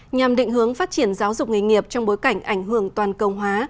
nhằm định hướng phát triển giáo dục nghề nghiệp trong bối cảnh ảnh hưởng toàn công hóa